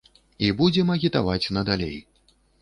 І будзем агітаваць надалей.